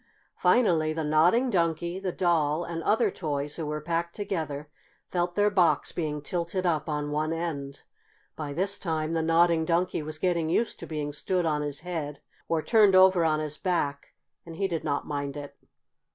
Finally the Nodding Donkey, the doll, and other toys who were packed together, felt their box being tilted up on one end. By this time the Nodding Donkey was getting used to being stood on his head, or turned over on his back, and he did not mind it.